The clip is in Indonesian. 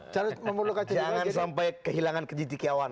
jangan sampai kehilangan kecendikiawan